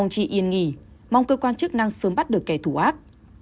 chị yên nghỉ mong cơ quan chức năng sớm bắt được kẻ thù ác